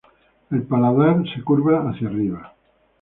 El paladar se curva hacia arriba.